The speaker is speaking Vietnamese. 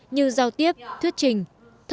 như giao tiếp thuyết trình